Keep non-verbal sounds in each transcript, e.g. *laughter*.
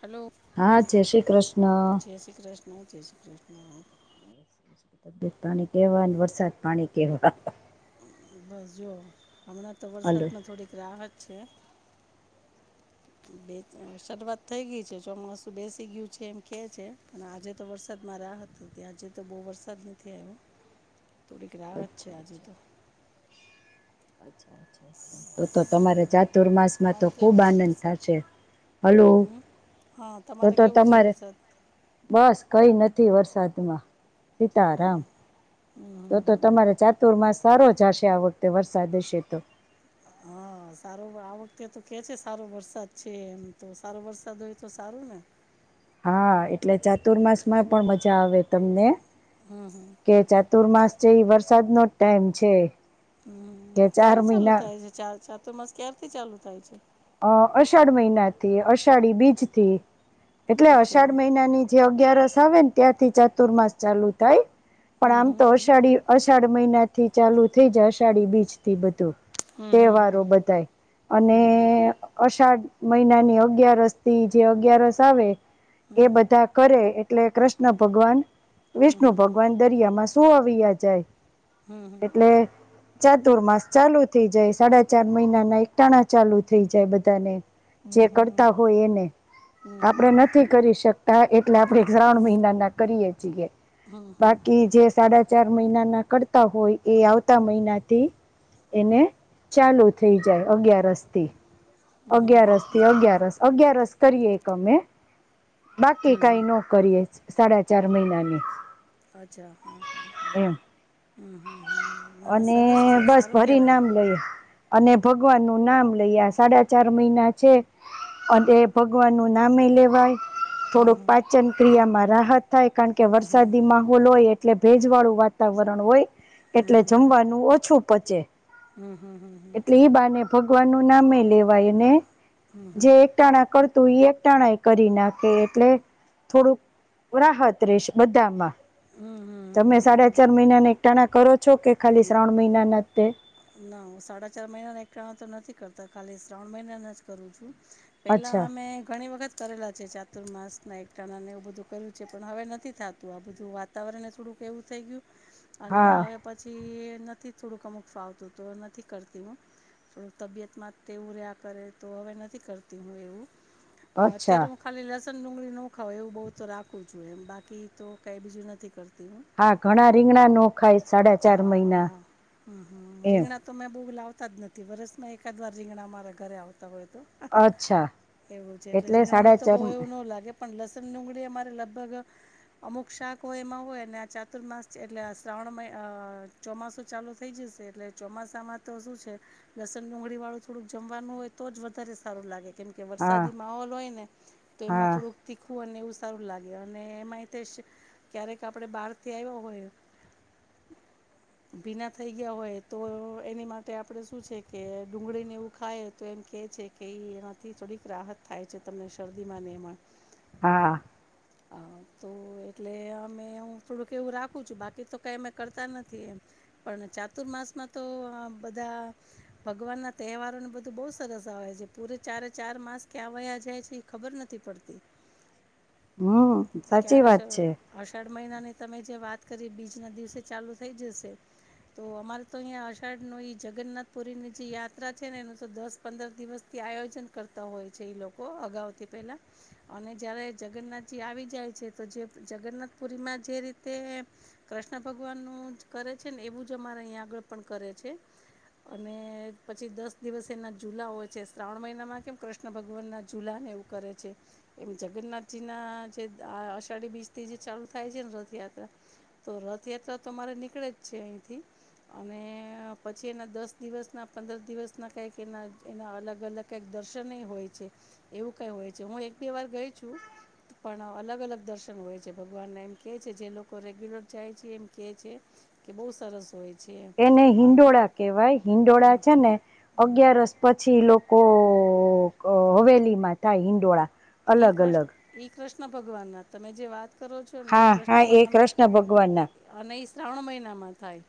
Hello હા જય શ્રી કૃષ્ણ જય શ્રી કૃષ્ણ જય શ્રી કૃષ્ણ તબિયત પાણી કેવા વરસાદ પાણી કેવા બસ જોુ હમણાં તો હલો વરસાદમાં થોડીક રાહત છે બે શરૂઆત થઈ ગઈ છે ચોમાસું બેસી ગયું છે એમ કે છે અને આજે તો વરસાદ મા આ હત ત્યા આજે તો બહુ વરસાદ નથી આવ્યો *inaudible* તોડી ગ રા છે અચ્છા આજે અચ્છા તો અચ્છા અચ્છા અચ્છા તો તો તમારા ચાતુર્માસ માં તો તમારે ખુબ કેવો છે આનંદ વરસાદ થશે હલો હમ હા તો તમારે તો કેવું છે તમારે વરસાદ બસ કઈ નથી અથી વરસાદમાં સીતારામ તો તો તમારે ચાતુર માં સારો જ હશે આ વખતે વરસાદ હશે તો હા સારો આ વખતે તો કે છે સારો વરસાદ છે એમ તો સારો વરસાદ હોય તો સારું ને હા એટલે ચાતુર્માસ માં પણ મજા આવે તમને કે ચાતુર્માસ છે એ વરસાદ નો જ ટાઈમ છે હમ કે ચાર ક્યારે ચાલુ મહિના થાય છે ચાતુર્માસ ક્ય્યારેથી ચાલુ થાય છે અ અષાઢ મહિનાથી અષાઢી બીજથી એટલે અચ્છા અષાઢ મહિના ની જે અગિયારસ આવે ને ત્યાંથી ચતુર્માસ ચાલુ થાય પણ આમ તો અષાઢી અષાઢ મહિના થી ચાલુ થઈ જાય અષાઢી બીચ થી બધું તહેવારો બધાય અને અષાઢ મહિના ની અગયારસ થી જે અગયારસ આવે એ બધા કરે એટલે કૃષ્ણ ભગવાન વિષ્ણુ ભગવાન દરિયામાં સુઆવ્યા જાય એટલે ચાતુર્માસ ચાલુ થઇ જાય સાડા ચાર મહિના ના એકટાણા ચાલુ થઇ જાય બધા ને જે કરતા હોય એને આપણેે નથી કરી શકતા એટલે આપણેે શ્રાવણ મહિના ના કરીએ બાકી જે સાડા ચાર મહિના ના કરતા હોય એ આવતા મહિનાથી એને ચાલુ થઈ જાય અગિયાર હતા અગ્યયારસ થી અગિયારસ અગિયારસ કરીએ એક અમે બાકી કઈ નો કરીએ સાડા ચાર મહિનાની અચ્છા હા હા હા એમ અને છે બસ સારું ફરી કહેવાય નામ લઈ અને ભગવાન નું નામ લઈ આશે સાડા ચાર મહિના છે અને ભગવાનનું નામે લેવાય થોડુંક પાચન ક્રિયામાં રાહત થાય કારણ કે વરસાદી માહોલ હોય એટલે ભેજ વાળું વાતાવરણ હોય એટલે જમવાનું ઓછું પચે હમ હમ હમ હ એટલે ઈ બાને ભગવાનનું નામેય લેવાય અને જે એક ટાણા કર તું એક ટાણાય કરી નાખે એટલે થોડુંક રાહત રહેશે બધામાં. હમ હમ તમે હમ હમ. સાડા ચાર મહિનાના એક ટાણા કરો છો કે ખાલી શ્રાવણ મહિનાના જ તે? ના હું સાડા ચાર મહિનાના એકઠાણા તો નથી કરતા ખાલી શ્રાવણ મહિનાના જ કરું છું. પેહલા અચ્છા અમે ઘણી વખત કરેલા છે. ચાતુર માસના એકઠાણા ને એવું બધું કર્યું છે પણ હવે નથી થાતું આ બધું વાતાવરણને થોડુંક એવું થઈ ગયું અને હા હવે પછી નથી થોડુંક અમુક ફાવ તો તો નથી કરતી હું થોડું તબિયતમાં તેવું રહ્યા કરે તો હવે નથી કરતી હું એવું. હા તેર અચ્છા હું ખાલી લસ સન ડુંગળી નો ખવાય એવું બહુ તો રાખવું જોઈએ એમ બાકી તો કાઈ બીજું નથી કરતી. હું હા ઘણા રીંગણાનો ખાય સાડા હા ચાર હા મહિના હા એમ. વતા જ નથી બરસમાં એકાદ વાર રીંગણા અમારા ઘરે આવ ત હોય તો અચ્છા એવું છે એટલે રીગણાનુ સાડા તો ચાર બહુ મ એવું નો લાગે. પણ લસણ ડુંગળી અમારે લગભગ અમુક શાક હોય એમાં હોય અને આ ચાતુર્માસ છે એટલે શ્રાવણ માસ હ ચોમાસું ચાલુ થઈ જશે એટલે ચોમાસામાં તો શું છે લસણ ડુંગળીવાળું થોડુંક જમવાનું હોય. તો જ વધારે સારું લાગે કેમ કે હા વરસાદી માહોલ હોય ને તો એમાં હા થોડુંક તીખું અને એવું સારું લાગે અને એમાંય તે ક્યારેક આપડે બહારથી આયવા હોય. હ ભીના થઈ ગયા હોય તો એની માટે આપણે શું છે કે ડુંગળીને એવું ખાય તો એમ કેય છે કે એનાથી થોડીક રાહત થાય છે તમને શરદીમાંને એમાં હા. હ તો એટલે અમે હું થોડુંક એવું રાખું છું બાકી તો કાઈ અ કરતા નથી એમ પણ ચાતુર્માસમાં તો બધા ભગવાનના તહેવાર ને બધું બહુ સરસ આવે છે પૂરે ચારે ચાર માસ ક્યાં વયા જાય છે ઈ ખબર નથી પડતી. હમ્મ સાચી ક્યારે શ વાત છે. અષાઢ મહિનાની તમે જે વાત કરી બીજના દિવસે ચાલુ થઈ જશે. તો અમારે તો અહીંયા અષાઢનુ ઈ જગન્નાથ પુરીની જે યાત્રા છે ને એનું તો દસ પંદર દિવસથી આયોજન કરતા હોય છે ઈ લોકો અગાઉથી પેલા અને જયારે જગન્નાથજી આવી જાય છે જે જગન્નાથ પુરીમાં જે રીતે કૃષ્ણ ભગવાનનું જ કરે છે ને એવું જ અમારે અહીંયા આગળ પણ કરે છે. અને પછી દસ દિવસ એના જુલા હોય છે શ્રાવણ મહિનામાં કેમ કૃષ્ણ ભગવાનના જુલા એવું કરે છે એમ જગન્નાથજીના જે આ અષાઢી બીજથી જે ચાલુ થાય છે ને રથયાત્રા તો રથયાત્રા તો મારે નીકળે જ છે અહીંથી અને પછી એના દસ દિવસના પંદર દિવસના કઈક એના એના અલગ-અલગ કાઈક દર્શનેય હોય છે એવું કઈ હોય છે હું એક પણ અલગ-અલગ દર્શન હોય છે ભગવાનના એમ કેય છે જે લોકો રેગ્યુલર જાય એમ કે છે કે બહુ સરસ છે એમ એને અન હિંડોળા કહેવાય હિંડોળા છે ને અગિયારસ પછી લોક કો હવેલીમાં થાય હિંડોળા. ઈ અલગ અલગ કૃષ્ણ ઈ કૃષ્ણ ભગવાનના તમે જે વાત કરો છોને ઈ હા હા કૃષ્ણ એ ભગવાન કૃષ્ણ ભગવાન ના અને ઈ શ્રાવણ મહિનામાં થાય.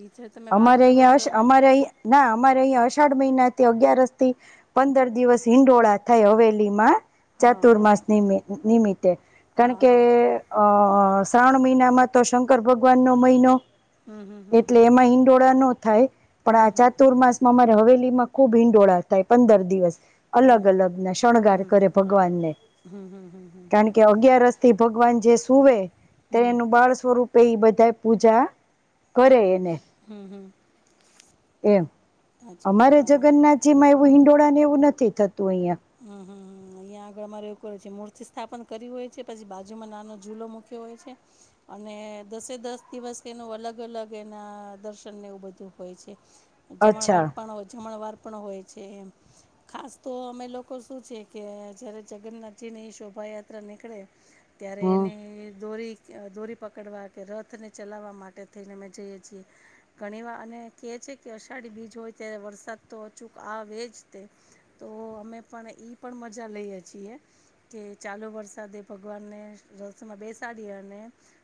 એ જે તમે વાત અમારે કરો છો અહીયાં ને અમારે અહીં ના અમારે અહીં અષાઢ મહિના અગિયારસથી પંદર દિવસ હિંડોળા થાય હવેલીમાં. હા હા ચાતુર્માસ નિમિત નિમિત્તે કારણ હા કે હા અ અ શ્રાવણ મહિનામાં તો શંકર ભગવાનનો મહિનો. હમ્મ હમ્મ હમ્મ હમ્મ. હંડોળા નો થાય પણ આ ચાતુર્માસમાં અમારે હવેલીમાં ખુબ હીંડોળા થાય પંદર દિવસ. અલગ અલગના શણગાર કરે ભગવાનને કારણ કે અગિયારસથી ભગવાન જે સુવે તે એનું બાળ સ્વરૂપ પ એ બધા પૂજા કરે એને હમ હમ એમ અમારે જગનાથજીમાં એવું હિંડોળા ને એવું નથી થતું તૂઈયાં અ્યાં આગળમાંવું છે મૂર્તિ સ્થાપન કરી હોય છે પછી બાજુમાં નાનો ઝૂલો મૂક્યો હોય છે અને દસે દસ દિવસ એનું અલગ અલગ એના દર્શનને એવું બધું હોય છે જમણ અચ્છા વાર પણ જમણ વાર પણ હોય છે ખાસ તો અમે લોકો શું છે કે જયારે જગનાથજી ની શોભાયાત્રા નીકળે ત્યારે હમ એને દોરી દોરી પકડવા કે રથને ચલાવવા માટે થઈને અં જઈએ છીએ ઘણીવાર અને કેચ કે અષાઢી બીજ હોય ત્યારે વરસાદ તો અચૂક આવે જ તે તો અમે પણ ઈ પણ મજા લઈએ છીએ કે ચાલુ વરસાદે ભગવાનને રસમાં બેસા અદ ઈઅર ને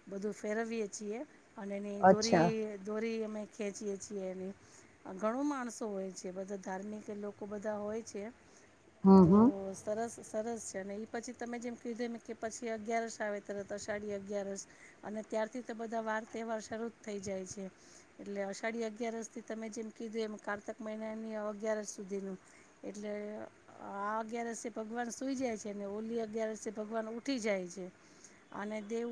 બધુ ફેરવી છીએ અને અચ્છા દોરી દરી અમે ખેંચીએ છીએ એ ઘણો માણસો હોય છે બધા ધાર્મિક લોકો બધા હોય છે હમ તો હમ સરસ સરસ છે અને એ પછી તમે જેમ કીધું એમ કે પછી અગિયારસ આવે તત અષાઢી અગિયારસ અને ત્યારથી તો બધા વાર તહેવાર શરૂ જ થઈ જાય છે એટલે અઢી અગિયારથી તમે જેમ કીધું કાર્તક મહિનાની અગયાર સુધીનું એટલે આ અગિયારષ ભગવાન સુઈ જાય છે ને ઓલી અગિયારષ ભગવાન ઊઠી જાય છે અને દેવ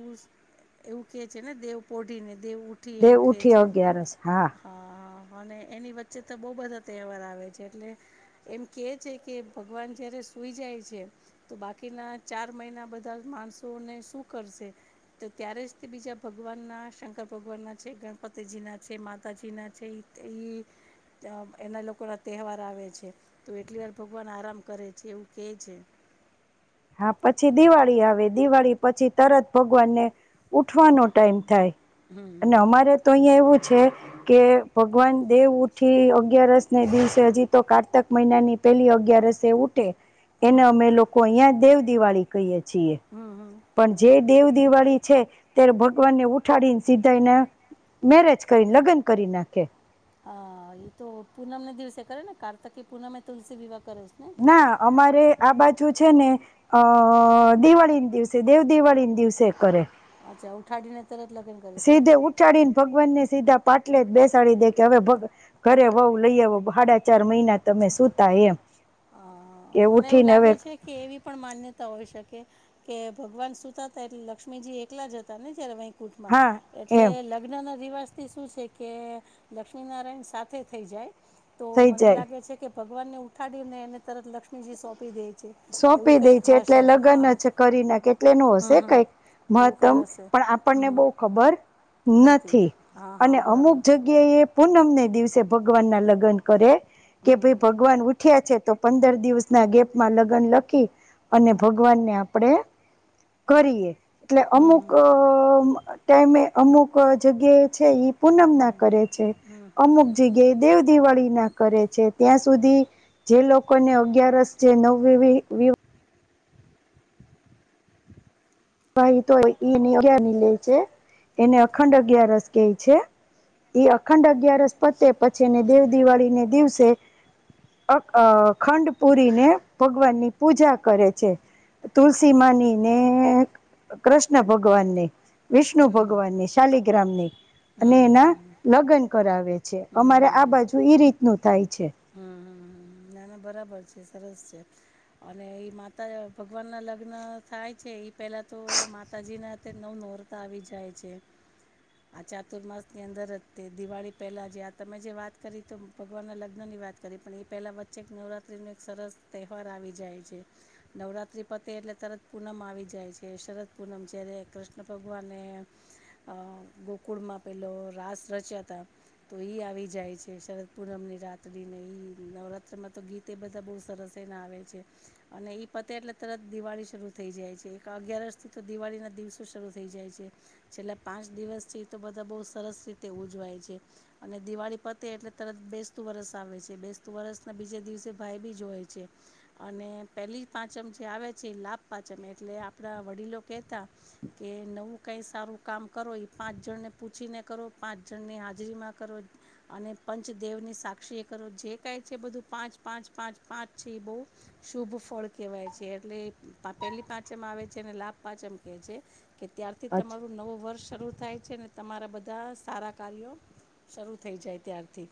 એવું કે છે ને દેવ પોઢીને દેવ ઉઊઠી દે એવું કહે ઉઠી છે અગિયારસ હા હા હા અને એની વચ્ચે તો બહુ બધા તહેવાર આવે છે એટલે એમ કે છે કે ભગવાન જ્યારે સુઈ જાય છે તો બાકીના ચાર મહિના બધા માણસોને શું કરશે છે તો ત્યારે જ તે બીજા ભગવાન ના શંકર ભગવાન ના છે ગણપતિજી ના છે માતાજી ના છે ઈ તેઈ અ એના લોકોના તહેવાર આવે છે. તો એટલી વાર વાન આરામ કરે છે, એવું કે છે. હા, પછી દિવાળી આવે દિવાળી પછી તરત ભગવાનને ઉઠવાનો ટાઈમ થાય અને હમ અમારે તો અહિયાં એવું છે કે ભગવાન દેવઉઠી અગિયારસને દિવસે હજી તો કારતક મહિનાની પેલી અગિયારસ એ ઉઠે હમ એને અમે લોકો અહિયા દેવદિવાળી કહીએ છીએ. હમ હમ પણ હમ જે દેવદિવાળી છે. ત્યારે ભગવાનને ઉઠાડીન સીધા એના મેરેજ કરીને લગ્ન કરી નાખે. હા, એ તો પૂનમને દિવસે કરે ને કારતકી પૂનમ એ તુલસી વિવાહ કરે છે ને ના, અમારે આ બાજુ છે ને અ દિવાળીને દિવસે દેવદિવાળીને દિવસે કરે. અચ્છા ઉઠાડીને તરત લગ્ન કરી દે સીધે ઉઠાડીને ભગવાનને સીધા પાટલે જ બેસાડી દે કે, હવે ભગ ઘરે વહું લઈ આવો સાડા ચાર મહિના તમે સુતા એમ. હ કે મને એવું ઉઠીને હવે લાગે છે, કે એવી પણ માન્યતા હોઈ શકે કે ભગવાન સુતાતા એટલે લક્ષ્મીજી એકલા જ હતા ને જ્યારે કુટમાં હા એટલે એમ લગ્ન રિવાસથી શું છે કે, લક્ષ્મીનારાયણ સાથે થઈ જાય તો થઈ મને જાય લાગે છે કે ભગવાનને ઉઠાડીને એને તરત લક્ષ્મીજી સોંપી દે છે એવું સોંપી દે કંઈક છે એટલે હશે લગ્ન હા જ કરીને કે એટલે એનું હશે હં હં કંઈક એવું કંઈ મહત્તમ હશે પણ આપણને હં બઉ ખબર હં નથી હા હા અને અમુક બરાબર જગ્યાએ પૂનમને દિવસે ભગવાનના લગ્ન કરે કે, હં ભાઈ ભગવાન ઉઠ્યા છે તો પંદર દિવસ ના ગેપમાં લગભગ ગન લખી અને ભગવાનને આપડે કરીએ. એટલે હં અમુક હં અ ટાઈમે અમુક ક જગ્યાએ છે ઈ પૂનમના કરે છે. અમુક જગ્યાએ દેવ દિવાળીના કરે છે. ત્યાં સુધી જે લોકોને અગિયારસ જે નવ વિવિ વિવિ હા ઈ તો એની અગિયારની લે છે એને અખંડ અગિયારસ કે છે. એ અખંડ અગિયારસ પતે પછી એને દેવદિવાળીને દિવસે અ અ ખંડ પૂરીને ભગવાન ની પૂજા કરે છે. તુલસીમાની ને કૃષ્ણ ભગવાનને વિષ્ણુ ભગવાનની શાલિગ્રામની હં અને હં એના હં લગ્ન કરાવે છે. છે. અમારે આ બાજુ ઈ રીતનું થાય છે. હમમમ *unintelligible* બરાબર છે. સરસ છે. અને એ માતા ભગવાનના લગ્ન થાય છે એ પહેલાં તો માતાજીના તે નવ નહોરતા આવી જાય છે. આ ચાતુર્માસની અંદર જ તે દિવાળી પહેલા જે આ તમે જે વાત કરી તો ભગવાનના લગ્ન ગનની વાત કરી પણ ઈ પહેલા વચ્ચે એક નવરાત્રીનો એક સરસ તહેવાર આવી જાય છે. નવરાત્રી પર તે એટલે તરત પૂનમ આવી જાય છે. શરદ પૂનમ જ્યારે કૃષ્ણ ભગવાને ગોકુળમાં પેલો રાસ રચ્યા હતા. તો એ આવી જાય છે. શરદ પૂનમની રાત *unintelligible* નવરાત્રમાં તો ગીતય બધા બહુ સરસ એના આવે છે. અને ઈ પતે એટલે તરત દિવાળી શરૂ થઈ જાય જાય છે. એક આ અગિયારસથી તો દિવાળીના દિવસો શરૂ થઈ જાય છે. છેલ્લા પાંચ દિવસ છે એતો બધા બ સરસ રીતે ઉજવાય છે. અને દિવાળી પતે એટલે તરત બેસતું વરસ આવે છે. બેસતું વર્ષના બીજે દિવસે ભાઈબીજ હોય છે અને પેલી પાંચમ જે આવે પછી લાભપાંચમ એટલે આપડા વડીલો કહેતા કે નવું કઈ સારું કામ કરો એ પાંચ જનને પૂછીને કરો. પાંચ જનની હાજરીમાં કરો. અને પંચદેવની સાક્ષી કરો જે ક છે બધું પાંચ પાંચ પાંચ પાંચ છે એ બહ શુભ ફળ કહેવાય છે એટલે પહેલી પાંચમ આવે છે અને લાભ પાંચમ કેહે છે કે ત્યારથી અચ્છા તમારું નવું વર્ષ શરૂ થાય છે ને તમારા બધા સારા કાર્યો શરૂ થઈ જાય ત્યારથી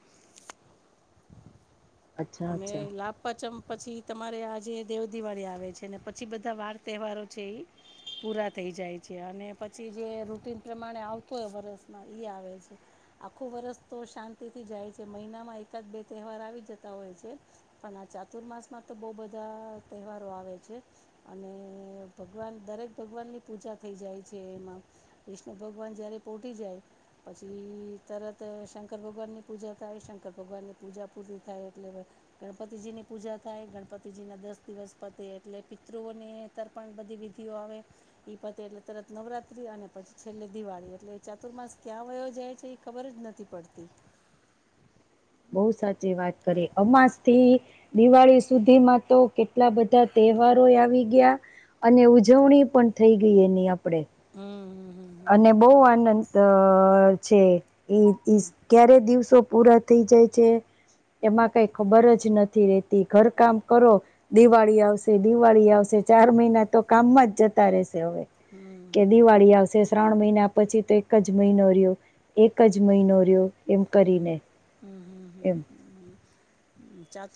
અચ્છા અમે અચ્છા લાભ પચમ પછી તમારે આજે દેવ દિવાળી આવે છે ને પછી બધા વાર તહેવારો છે એ પૂરા થઈ જાય છે અને પછી જે રૂટન પ્રમાણે આવતો હોય વરષમાં આવે છે આખું વરસ તો શાંતિ થી જાય છે. મહિનામાં એકાદ બે તહેવાર આવી જતા. હોય છે પણ આ ચાતુર્માસમાં તો બહુ બધા તહેવારો આવે છે અને ભગવાન દરેક ભગવાનની પૂજા થઈ જાય છે એમાં વિષ્ણુ ભગવાન જ્યારે પોટીી જાય પછી તરત શંકર ભગવાન ની પૂજા થાય શંકર ભગવાન ની પૂજા પૂરી થાય એટલે ગણપતિજીની પૂજા થાય ગણપતિજીના દસ દિવસ પતે એટલે પિતૃઓને તરક પણ બધી વિધિઓ આવે ઈ પતે એટલે તરત નવરાત્રી અને પછી છેલ્લે દિવાળી એટલે ચાતુર્માસ ક્યાં વયો જાય છે એ ખબર જ નથી પડતી *unintelligible* બહ સાચી વાત કરી અમાસ થી દિવાળી સુધીમાં તો કેટલા બધા તહેવાર આવી ગયા અને ઉજવણી પણ થઈ ગઈ એની આપે હમ હ અને બહ આનંદ છે ક્યારે દિવસો પૂરા થઇઈ જાય છે એમાં કઈ ખબર જ નથી રેતી ઘર કામ કરો દિવાળી આવશે દિવાળી આવશે ચાર મહિના તો કામમાં જતા રહેશે હવે કે દિવાળી આવશે શ્રાવણ મહિના પછી તો એક જ મહિનો રહ્યો એક જ મહિનો રહ્યો એમ કરીને હમ હમ હમ એમ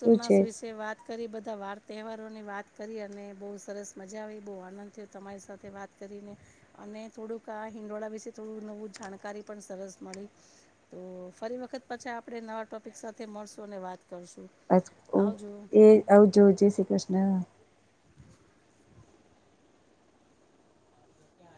શું છે વિશે વાત કરી બધા વાર તહેવાર ની વાત કરી અને બહુ સરસ મજા આવી બહુ આનંદ થયો તમારી સાથે વાત કરીને અને થોડુંક આ હિંડોળા વિશે થોડું નવું જાણકારી પણ સરસ મળી તો ફરી વખત પછી આપણે નવા ટોપિક સાથે મળશું અને વાત કરશું આવજો એ આવું જોવું જય શ્રી કૃષ્ણ